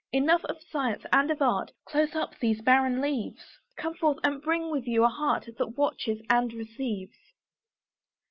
Enough of science and of art; Close up these barren leaves; Come forth, and bring with you a heart That watches and receives.